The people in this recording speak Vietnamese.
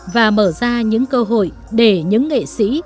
và mở ra những cơ hội để những nghệ sĩ